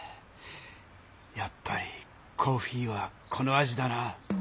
やっぱりコーヒーはこの味だな。